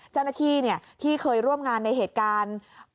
เจ้าหน้าที่ที่เคยร่วมงานในเหตุการณ์